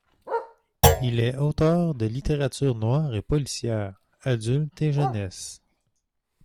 Il est auteur de littératures noire et policière, adulte et jeunesse.